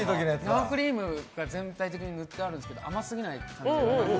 生クリームが全体的に塗ってあるんですけど甘すぎない感じが。